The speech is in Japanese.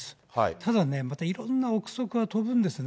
ただね、またいろんな臆測が飛ぶんですね。